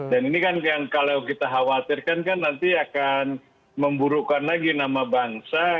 dan ini kan kalau kita khawatirkan kan nanti akan memburukkan lagi nama bangsa